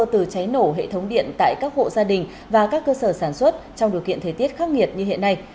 từ cháy nổ hệ thống điện tại các hộ gia đình và các cơ sở sản xuất trong điều kiện thời tiết khắc nghiệt như hiện nay